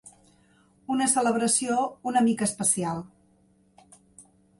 Una celebració ‘una mica especial’